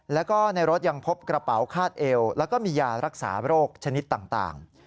แล้วก็ในรถยังพบกระเป๋าคาดเอวแล้วก็มียารักษาโรคชนิดต่าง